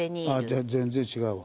ああ全然違うわ。